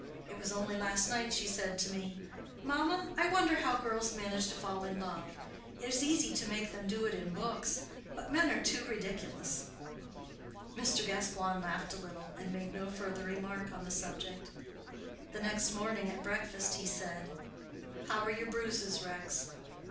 "It was only last night she said to me, 'Mamma, I wonder how girls manage to fall in love. It is easy to make them do it in books. But men are too ridiculous.'" Mr. Gascoigne laughed a little, and made no further remark on the subject. The next morning at breakfast he said, "How are your bruises, Rex?"